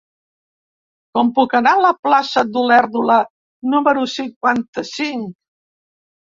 Com puc anar a la plaça d'Olèrdola número cinquanta-cinc?